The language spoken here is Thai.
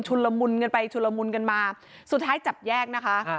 ละมุนกันไปชุนละมุนกันมาสุดท้ายจับแยกนะคะ